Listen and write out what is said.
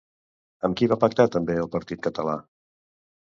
Amb qui va pactar també el partit català?